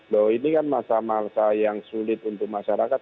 loh ini kan masa masa yang sulit untuk masyarakat